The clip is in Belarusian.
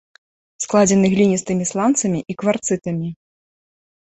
Складзены гліністымі сланцамі і кварцытамі.